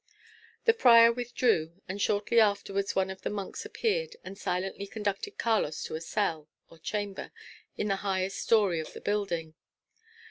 The prior withdrew; and shortly afterwards one of the monks appeared, and silently conducted Carlos to a cell, or chamber, in the highest story of the building.